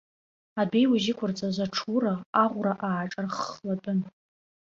Адәеиужь иқәырҵаз аҽура аӷәра ааҿарххлатәын.